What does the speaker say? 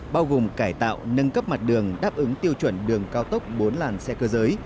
bao gồm cải tạo nâng cấp mặt đường đáp ứng tiêu chuẩn đường cao tốc bốn làn xe cơ giới